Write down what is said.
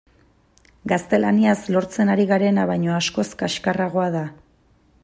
Gaztelaniaz lortzen ari garena baino askoz kaxkarragoa da.